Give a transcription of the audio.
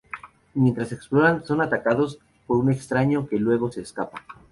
Mientras exploran, son atacados por un extraño, que luego se escapa.